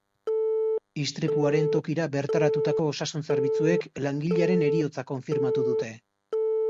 Istripuaren tokira bertaratutako osasun zerbitzuek langilearen heriotza konfirmatu dute.